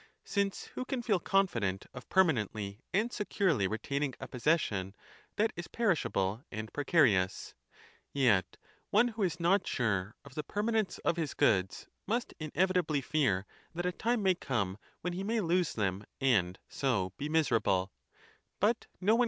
Since who can feel confident of permanently and securely retaining a possession that is perishable and precarious ? yet one who is not sore of the permanence of his Goods, must inevitably fear that a time may come when he K 177 CICERO DE FINIBUS ^H amissis illis Rit miser.